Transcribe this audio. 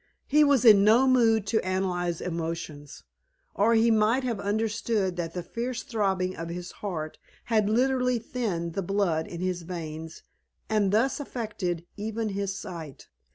He was in no mood to analyze emotions, or he might have understood that the fierce throbbing of his heart had literally thinned the blood in his veins and thus affected even his sight.